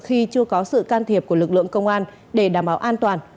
khi chưa có sự can thiệp của lực lượng công an để đảm bảo an toàn